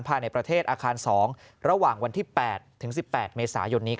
ภายในประเทศอาคาร๒ระหว่างวันที่๘ถึง๑๘เมษายนนี้